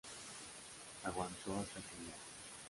Aguantó hasta el final